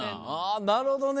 あなるほどね。